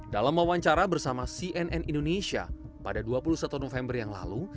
dalam wawancara bersama cnn indonesia pada dua puluh satu november yang lalu